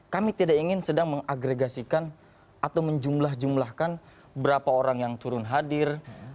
kami tidak ingin sedang mengagregasikan atau menjumlah jumlahkan berapa orang yang turun hadir